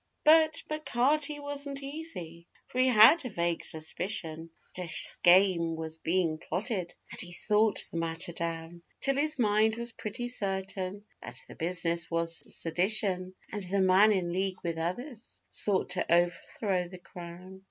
But M'Carty wasn't easy, for he had a vague suspicion That a 'skame' was being plotted; and he thought the matter down Till his mind was pretty certain that the business was sedition, And the man, in league with others, sought to overthrow the Crown.